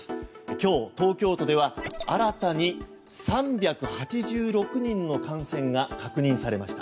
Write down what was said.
今日、東京都では新たに３８６人の感染が確認されました。